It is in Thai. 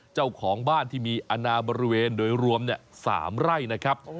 เจ้าของบ้านที่มีอนาบริเวณโดยรวม๓ไร่นะครับ